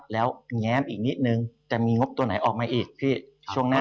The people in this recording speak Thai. แล้วแง้มอีกนิดนึงจะมีงบตัวไหนออกมาอีกพี่ช่วงหน้า